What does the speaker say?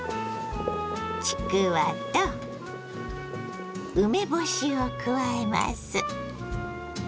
ちくわと梅干しを加えます。